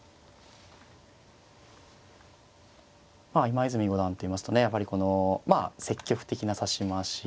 今泉五段っていいますとねやはりこのまあ積極的な指し回し。